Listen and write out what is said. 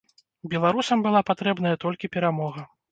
Беларусам была патрэбная толькі перамога.